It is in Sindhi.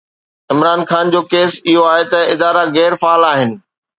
عمران خان جو ڪيس اهو آهي ته ادارا غير فعال آهن.